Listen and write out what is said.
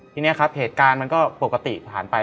ทีนี้ครับเหตุการณ์มันก็ปกติผ่านไป